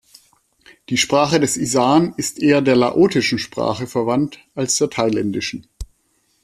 Die Sprache des Isan ist eher der laotischen Sprache verwandt als der thailändischen.